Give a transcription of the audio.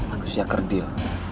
agus ya kerdil